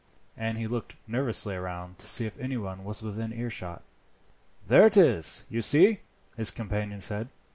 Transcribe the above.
And he looked nervously round to see if anyone was within earshot. "There it is, you see," his companion said.